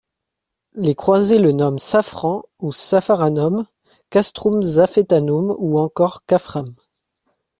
Les croisés le nomment Safran ou Sapharanum, Castrum Zafetanum, ou encore Cafram.